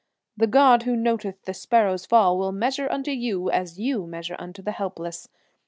The God who noteth the sparrow's fall, will measure unto you as you measure unto the helpless.